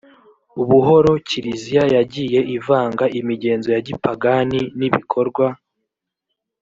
buhoro kiliziya yagiye ivanga imigenzo ya gipagani n ibikorwa